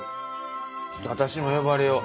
ちょっと私も呼ばれよう。